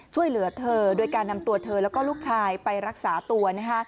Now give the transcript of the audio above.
ช่วยเหลือเธอโดยการนำตัวเธอแล้วก็ลูกชายไปรักษาตัว